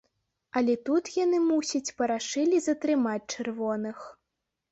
Але тут яны, мусіць, парашылі затрымаць чырвоных.